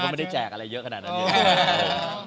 มันก็ไม่ได้แจกอะไรเยอะขนามนี้